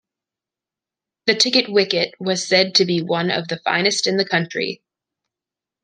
The Ticket Wicket was said to be one of the finest in the Country.